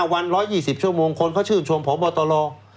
วัน๑๒๐ชั่วโมงคนเขาชื่นชมพบตร